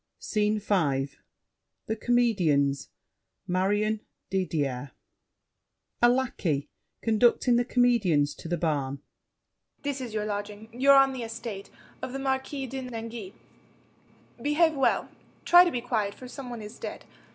SCENE V The Comedians, Marion, Didier A LACKEY (conducting the Comedians to the barn). This is your lodging. You're on the estate Of the Marquis de Nangis. Behave well, Try to be quiet, for some one is dead.